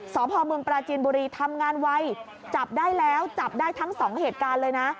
สพเมืองปราจีนบุรีทำงานไวจับได้แล้วจับได้ทั้งสองเหตุการณ์เลยนะ